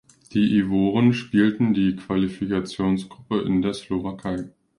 Die Ivoren spielten die Qualifikationsgruppe in der Slowakei.